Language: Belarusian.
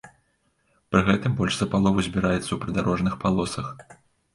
Пры гэтым больш за палову збіраецца ў прыдарожных палосах.